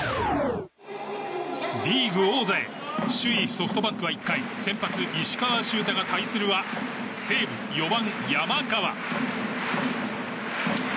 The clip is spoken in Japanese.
リーグ王座へ首位ソフトバンクは先発、石川柊太が対するは西武、４番、山川。